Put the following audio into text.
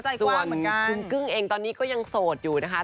ก็ใจกว่ามันกันส่วนคุณกึ้งก็ยังโสดอยู่นะคะ